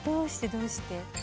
どうして？